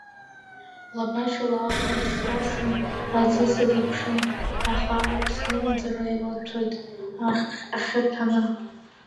Лабашьала ахра снасны аӡы сазыԥшын, аха аԥслымӡра илаҭәоит ахьы ҭәаны.